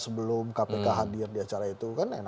sebelum kpk hadir di acara itu